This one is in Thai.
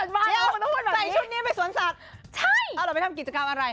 เดี๋ยวใส่ชุดนี้ไปสวรรค์ศักดิ์ใช่เอาล่ะไปทำกิจกรรมอะไร